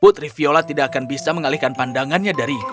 putri viola tidak akan bisa mengalihkan pandangannya dariku